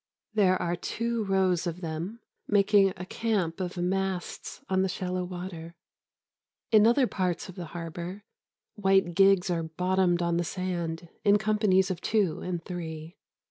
There are two rows of them, making a camp of masts on the shallow water. In other parts of the harbour white gigs are bottomed on the sand in companies of two and three.